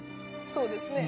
そうですね。